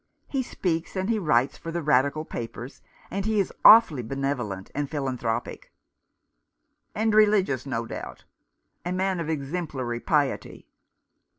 He speaks, and he writes for the Radical papers, and he is awfully benevolent and philanthropic "" And religious, no doubt ? A man of exemplary piety."